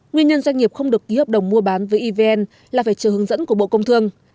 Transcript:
nguyên nhân doanh nghiệp không được ký hợp đồng mua bán với evn là phải chờ hướng dẫn của bộ công thương